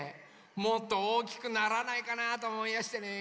もっとおおきくならないかなとおもいやしてね。